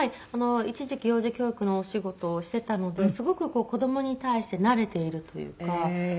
一時期幼児教育のお仕事をしてたのですごく子どもに対して慣れているというか。